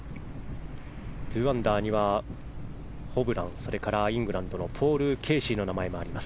２アンダーにはホブランイングランドのポール・ケーシーの名前もあります。